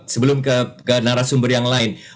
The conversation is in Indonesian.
sebelum ke narasumber yang lain